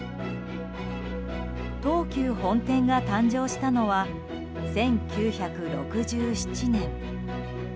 東急本店が誕生したのは１９６７年。